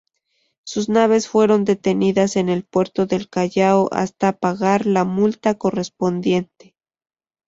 Sus naves fueron detenidas en el puerto del Callao hasta pagar la multa correspondiente.